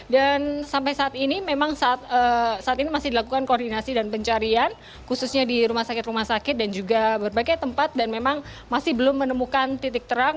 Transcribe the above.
sampai saat ini memang saat ini masih dilakukan koordinasi dan pencarian khususnya di rumah sakit rumah sakit dan juga berbagai tempat dan memang masih belum menemukan titik terang